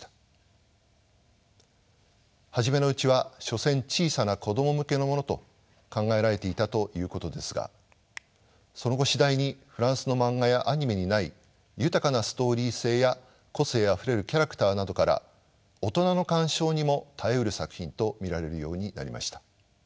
初めのうちは所詮小さな子供向けのものと考えられていたということですがその後次第にフランスの漫画やアニメにない豊かなストーリー性や個性あふれるキャラクターなどから大人の鑑賞にも堪えうる作品と見られるようになりました。